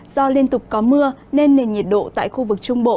do liên tục có mưa nên nền nhiệt độ tại khu vực trung bộ